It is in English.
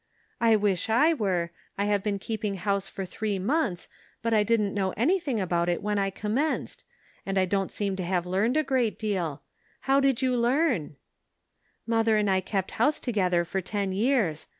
"I wish I were. I have been keep ing house for three months, but I didn't know anything about it when I commenced, and I don't seem to have learned a great deal. How did you learn ?"" Mother arid I kept house together for ten years.